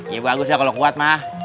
ya bagus lah kalau kuat mah